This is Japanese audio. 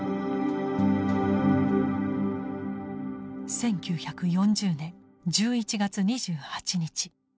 １９４０年１１月２８日。